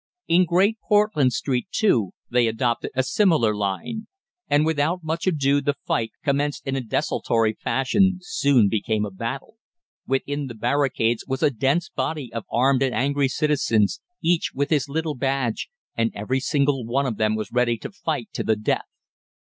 In Great Portland Street, too, they adopted a similar line, and without much ado the fight, commenced in a desultory fashion, soon became a battle. "Within the barricades was a dense body of armed and angry citizens, each with his little badge, and every single one of them was ready to fight to the death.